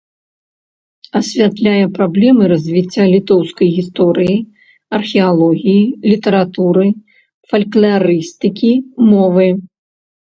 Асвятляе праблемы развіцця літоўскай гісторыі, археалогіі, літаратуры, фалькларыстыкі, мовы.